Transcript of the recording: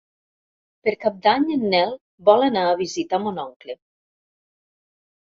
Per Cap d'Any en Nel vol anar a visitar mon oncle.